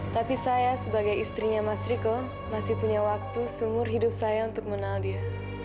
tapi saya sebagai istrinya mas riko masih punya waktu seumur hidup saya untuk mengenal dia